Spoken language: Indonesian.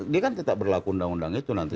dia kan tetap berlaku undang undang itu nanti